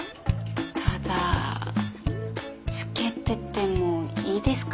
ただつけててもいいですか？